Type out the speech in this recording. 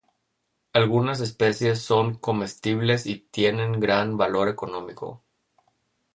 Algunas especies son comestibles y tienen gran valor económico.